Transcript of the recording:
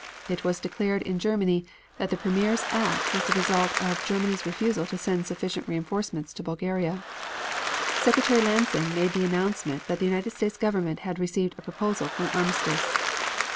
It was declared in Germany that the Premier's act was the result of Germany's refusal to send sufficient reinforcements to Bulgaria. Secretary Lansing made the announcement that the United States Government had received a proposal for an armistice.